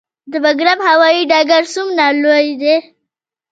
د بګرام هوايي ډګر څومره لوی دی؟